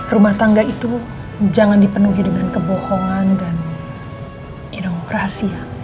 rumah tangga itu jangan dipenuhi dengan kebohongan dan rahasia